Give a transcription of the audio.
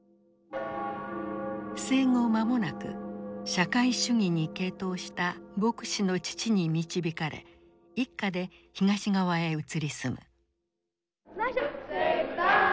生後間もなく社会主義に傾倒した牧師の父に導かれ一家で東側へ移り住む。